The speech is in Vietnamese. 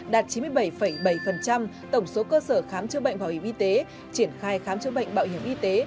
đạt chín mươi bảy bảy tổng số cơ sở khám chữa bệnh bảo hiểm y tế triển khai khám chữa bệnh bảo hiểm y tế